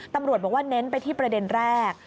ตำรวจบอกว่าเน้นไปที่ประเด็นแรก